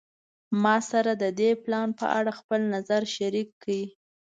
ما سره د دې پلان په اړه خپل نظر شریک کړی